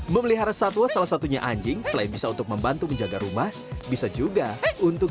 memelihara satwa salah satunya anjing selain bisa untuk membantu menjaga rumah bisa juga untuk